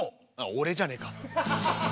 俺じゃねえか。